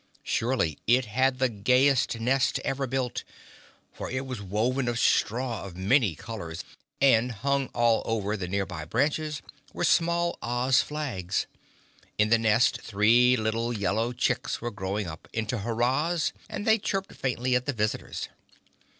Surely it had the gayest nest ever built, for it was woven of straw of many colors, and hung all over the near by branches were small Oz flags. In the nest three little yellow chicks were growing up into Hurrahs and they chirped faintly at the visitors.